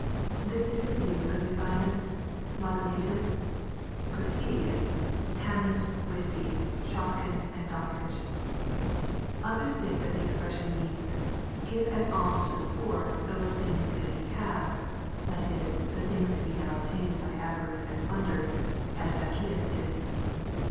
This is the view of Euthymius, Maldon atus, Cocceius, Hammond, Whitby, Schottgen, and Doddridge. — Others think that the expression means, " Give as alms to flie poor those things that ye have," that is, the things that ye have obtained by avarice and plunder, as Zacchaeus did.